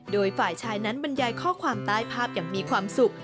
โดยฝ่ายชายนั้นบรรยายข้อความใต้ภาพอย่างมีความสุข